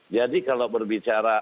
jadi kalau berbicara